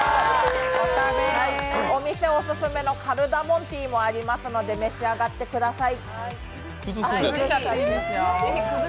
お店オススメのカルダモンティーもありますので、召し上がってください。